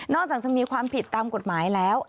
จากจะมีความผิดตามกฎหมายแล้ว